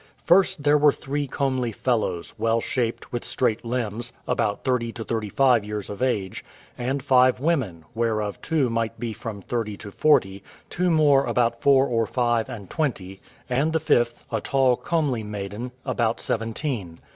First, there were three comely fellows, well shaped, with straight limbs, about thirty to thirty five years of age; and five women, whereof two might be from thirty to forty, two more about four or five and twenty; and the fifth, a tall, comely maiden, about seventeen.